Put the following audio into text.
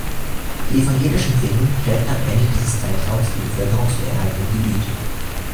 Die evangelischen Finnen stellten am Ende dieses Zeitraums die Bevölkerungsmehrheit im Gebiet.